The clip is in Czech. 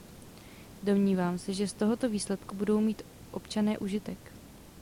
Domnívám se, že z tohoto výsledku budou mít občané užitek.